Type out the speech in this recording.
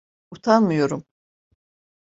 Utanmıyorum.